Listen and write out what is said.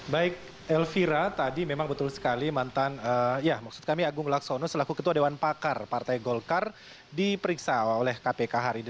baik elvira tadi memang betul sekali mantan ya maksud kami agung laksono selaku ketua dewan pakar partai golkar diperiksa oleh kpk hari ini